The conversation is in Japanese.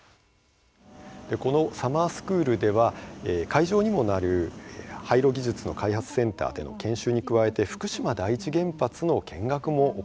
このサマースクールでは会場にもなる廃炉技術の開発センターでの研修に加えて福島第一原発の見学も行われました。